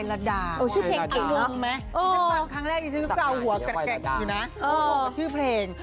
แบบนี้หรอ